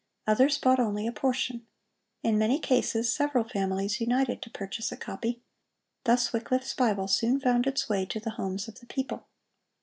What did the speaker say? Others bought only a portion. In many cases, several families united to purchase a copy. Thus Wycliffe's Bible soon found its way to the homes of the people.